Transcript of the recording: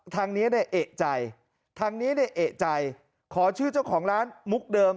ทางนี้เนี่ยเอกใจทางนี้เนี่ยเอกใจขอชื่อเจ้าของร้านมุกเดิม